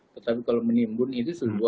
tetapi kalau menyimbun itu